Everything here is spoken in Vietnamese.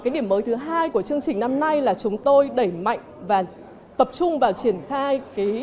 điểm mới thứ hai của chương trình năm nay là chúng tôi đẩy mạnh và tập trung vào triển khai